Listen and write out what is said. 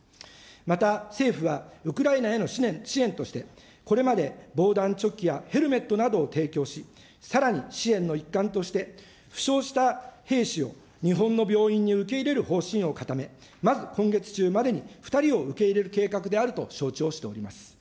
また、政府はウクライナへの支援として、これまで防弾チョッキやヘルメットなどを提供し、さらに支援の一環として、負傷した兵士を日本の病院に受け入れる方針を固め、まず今月中までに、２人を受け入れる計画であると承知をしております。